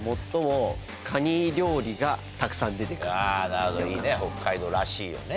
なるほどいいね北海道らしいよね。